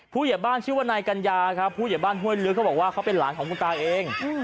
ผู้เหยียบบ้านชื่อวันนายกัญญาครับผู้เหยียบบ้านฮวยรือเขาบอกว่าเค้าเป็นหลานของคุณตาเอง